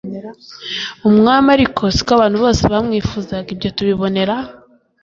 umwami ariko si ko abantu bose bamwifuzaga ibyo tubibonera